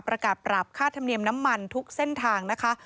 ประกาศปรับค่าธรรมเนียมน้ำมันทุกเส้นทางนะคะ